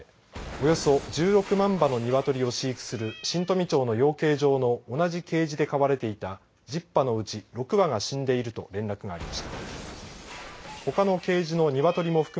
およそ１６万羽のニワトリを飼育する新富町の養鶏場の同じケージに飼われていた１０羽のうち６羽が死んでいると連絡がありました。